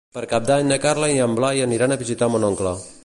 Per Cap d'Any na Carla i en Blai aniran a visitar mon oncle.